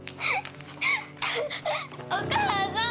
お母さん！